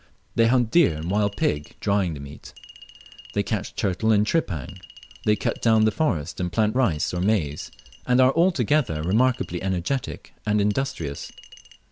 They hunt deer and wild pig, drying the meat; they catch turtle and tripang; they cut down the forest and plant rice or maize, and are altogether remarkably energetic and industrious.